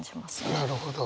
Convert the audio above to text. なるほど。